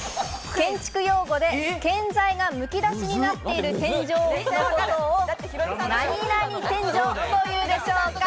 建築用語で建材がむき出しになっている天井のことを何々天井というでしょうか？